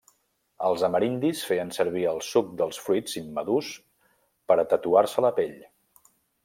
Els amerindis feien servir el suc dels fruits immadurs per a tatuar-se la pell.